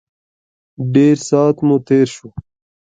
ډېر سات مو تېر شو.